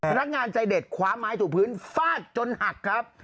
นักงานใจเด็ดคว้าไม้ถูกพื้นฟาดจนหักครับ